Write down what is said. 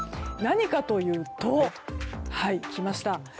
何かというと、来ました。